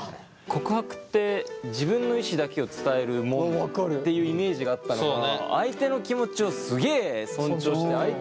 告白って自分の意思だけを伝えるものっていうイメージがあったのが相手の気持ちをすげえ尊重して相手を立てての告白だから。